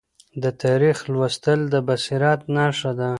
د تاریخ لوستل د بصیرت نښه ده.